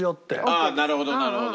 ああなるほどなるほど。